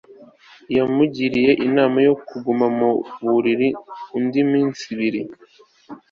yamugiriye inama yo kuguma mu buriri indi minsi ibiri